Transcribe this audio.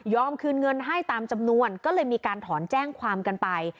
คืนเงินให้ตามจำนวนก็เลยมีการถอนแจ้งความกันไป